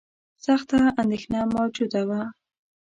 سخته اندېښنه موجوده وه.